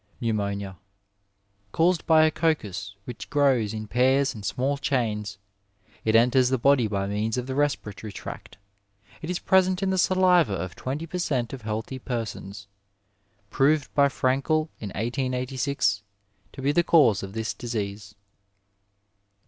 Pneumonia. — Caused by a coccus which grows in pairs and small chains. It enters the body by means of the respiratory tract. It is present in the saliva of twenty per cent, of healthy persons. Proved by Prankel in 1886 to be the cause of this disease.